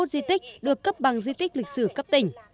năm mươi một di tích được cấp bằng di tích lịch sử cấp tỉnh